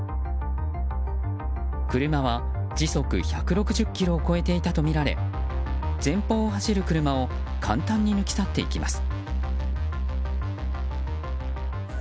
車は時速１６０キロを超えていたとみられ前方を走る車を簡単に抜き去っていきます。